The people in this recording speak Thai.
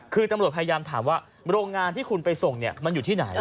คือตำรวจพยายามถามว่าโรงงานที่คุณไปส่งเนี่ยมันอยู่ที่ไหน